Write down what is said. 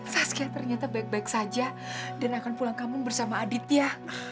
saskia ternyata baik baik saja dan akan pulang ke rumah bersama aditya